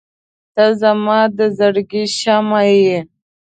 • ته زما د زړګي شمعه یې.